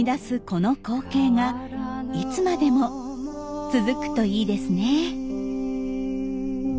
この光景がいつまでも続くといいですね。